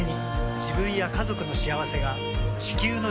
自分や家族の幸せが地球の幸せにつながっている。